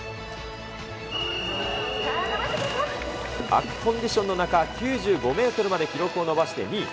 悪コンディションの中、９５メートルまで記録を伸ばして２位。